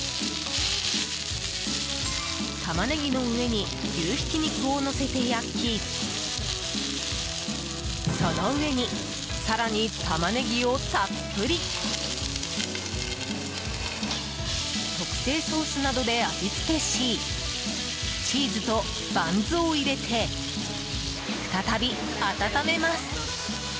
タマネギの上に牛ひき肉をのせて焼きその上に更にタマネギをたっぷり。特製ソースなどで味付けしチーズとバンズを入れて再び温めます。